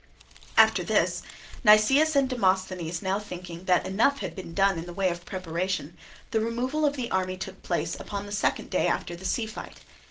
After this, Nicias and Demosthenes now thinking that enough had been done in the way of preparation, the removal of the army took place upon the second day after the sea fight.